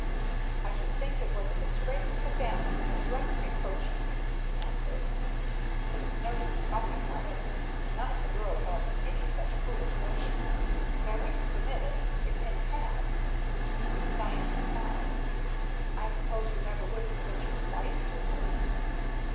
"I should think it was a disgrace to the family, and a direct reproach to me," he answered. "But it's no use talking about that. None of the girls have any such foolish notion. And I wouldn't permit it if they had." Diantha smiled. "I suppose you never would permit your wife to work?"